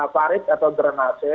farid atau granase